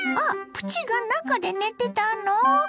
プチが中で寝てたの？